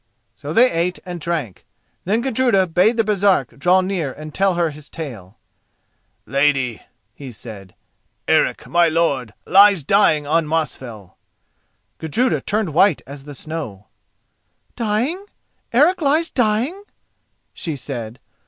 So they ate and drank. Then Gudruda bade the Baresark draw near and tell her his tale. "Lady," said he, "Eric, my lord, lies dying on Mosfell." Gudruda turned white as the snow. "Dying?—Eric lies dying?" she said.